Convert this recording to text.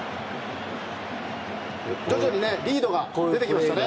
徐々にリードが出てきましたね。